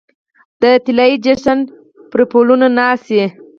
د طلايې جشن پرپلونو ناڅي